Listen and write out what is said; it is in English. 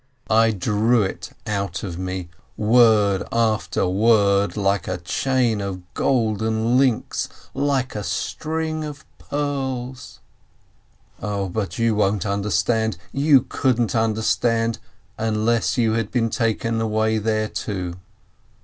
I drew it out of me, word after word, like a chain of golden links, 72 PEREZ like a string of pearls. 0, but you won't understand, you couldn't understand, unless you had been taken away there, too!